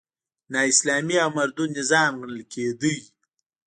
نا اسلامي او مردود نظام ګڼل کېده.